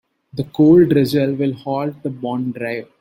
The cold drizzle will halt the bond drive.